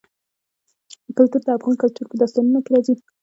کلتور د افغان کلتور په داستانونو کې راځي.